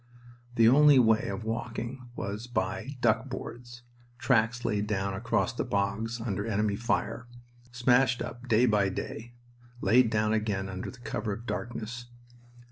The only way of walking was by "duck boards," tracks laid down across the bogs under enemy fire, smashed up day by day, laid down again under cover of darkness.